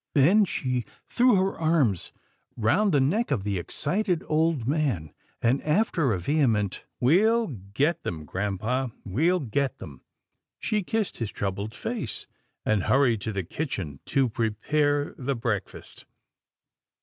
Then she threw her arms round the neck of the excited old man, and, after a vehement, " We'll get them, grampa — we'll get them," she kissed his troubled face, and hurried to the kitchen to prepare the breakfast.